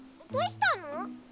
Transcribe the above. どうしたの？